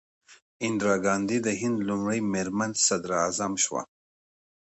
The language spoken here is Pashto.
اندرا ګاندي د هند لومړۍ میرمن صدراعظم شوه.